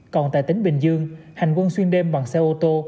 còn tại tỉnh bình dương hành quân xuyên đêm bằng xe ô tô